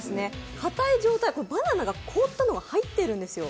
硬い状態、バナナが凍ったのが入ってるんですよ。